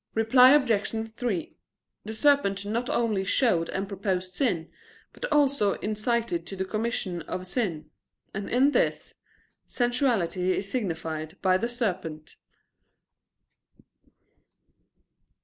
Reply Obj. 3: The serpent not only showed and proposed sin, but also incited to the commission of sin. And in this, sensuality is signified by the serpent.